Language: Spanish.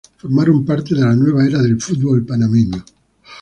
Formaron parte de la nueva era del fútbol panameño.